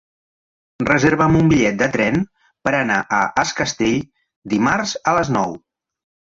Reserva'm un bitllet de tren per anar a Es Castell dimarts a les nou.